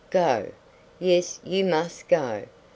Go? Yes, you must go.